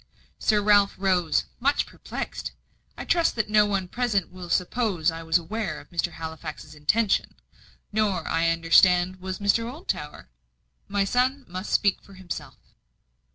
Sir Ralph rose, much perplexed. "I trust that no one present will suppose I was aware of Mr. Halifax's intention. Nor, I understand, was Mr. Oldtower. My son must speak for himself."